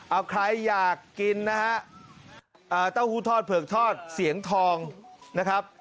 เอาใครอยากกินนะฮะเต้าหู้ทอดเผือกทอดเสียงทองนะครับ